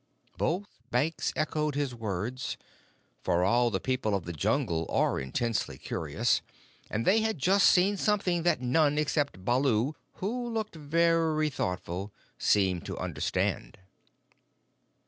Both banks echoed his words, for all the People of the Jungle are intensely curious, and they had just seen something that none, except Baloo, who looked very thoughtful, seemed to understand.